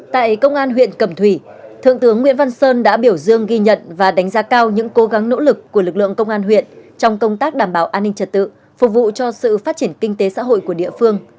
tại công an huyện cẩm thủy thượng tướng nguyễn văn sơn đã biểu dương ghi nhận và đánh giá cao những cố gắng nỗ lực của lực lượng công an huyện trong công tác đảm bảo an ninh trật tự phục vụ cho sự phát triển kinh tế xã hội của địa phương